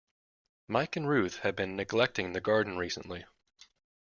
Mike and Ruth have been neglecting the garden recently.